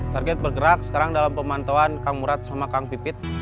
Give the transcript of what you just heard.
target bergerak sekarang dalam pemantauan kang murad sama kang pipit